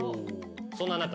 そんな中。